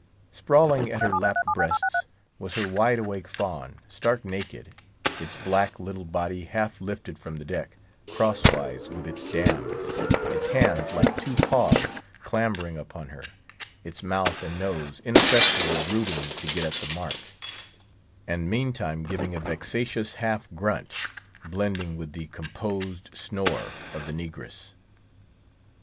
Sprawling at her lapped breasts, was her wide awake fawn, stark naked, its black little body half lifted from the deck, crosswise with its dam's; its hands, like two paws, clambering upon her; its mouth and nose ineffectually rooting to get at the mark; and meantime giving a vexatious half grunt, blending with the composed snore of the negress.